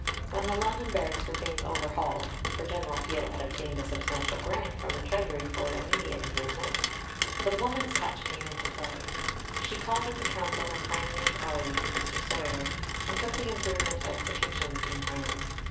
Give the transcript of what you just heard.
When the London barracks were being overhauled (for General Peel had obtained a substantial grant from the Treasury for immediate improvements), the "woman's touch" came into play. She called into counsel her Crimean colleague, Mr. Soyer, and took the improvement of the kitchens in hand.